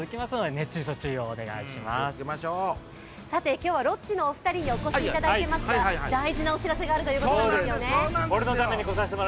今日はロッチのお二人にお越しいただいていますが大事なお知らせがあるということなんですよね